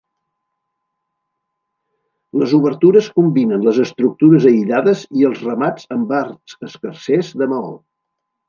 Les obertures combinen les estructures aïllades i els remats amb arcs escarsers de maó.